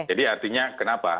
jadi artinya kenapa